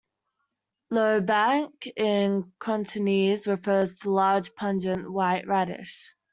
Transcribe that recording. "Lo bac", in Cantonese, refers to a large, pungent white radish.